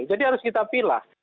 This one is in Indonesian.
jadi harus kita pilih